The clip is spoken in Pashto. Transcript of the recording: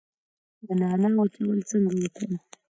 د نعناع وچول څنګه وکړم؟